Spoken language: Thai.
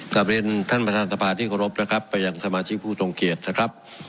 การเป็นท่านประธานทศพาที่ควรรบนะครับไปอย่างสมาชิกผู้ทรงเขียจนะครับ